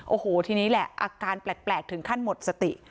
โอ้โหทีนี้แหละอาการแปลกถึงขั้นหมดสติ